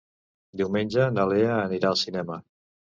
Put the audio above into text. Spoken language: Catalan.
Diumenge na Lea anirà al cinema.